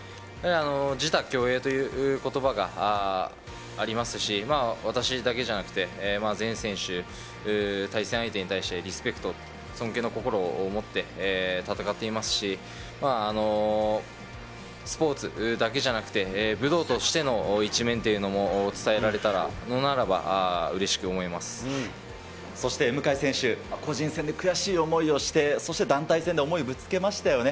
自他共栄ということばがありますし、私だけじゃなくて、全選手、対戦相手に対して、リスペクト、尊敬の心を持って戦っていますし、スポーツだけじゃなくて、武道としての一面というのも伝えられたのならば、うれしく思いまそして、向選手、個人戦で悔しい思いをして、そして団体戦で思いをぶつけましたよね。